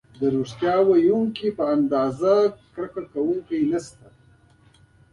د ریښتیا ویونکي په اندازه کرکه کوونکي نشته.